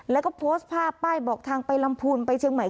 แล้วก็โพสต์ภาพป้ายบอกทางไปลำพูนไปเชียงใหม่